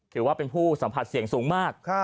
ถือว่าเป็นผู้สัมผัสเสี่ยงสูงมาก